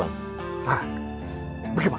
aku nggak tewas